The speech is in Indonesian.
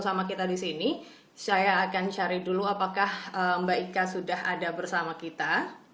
sama kita disini saya akan cari dulu apakah mba ika sudah ada bersama kita